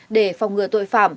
để phòng ngừa tội phạm